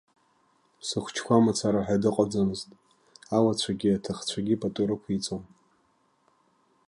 Схәыҷқәа мацара ҳәа дыҟаӡамызт, ауацәагьы, аҭахцәагьы пату рықәиҵон.